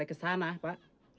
saya ke sana pak